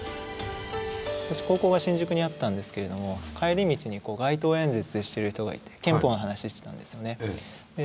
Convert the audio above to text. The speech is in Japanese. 私高校が新宿にあったんですけれども帰り道に街頭演説している人がいて憲法の話してたんですよね。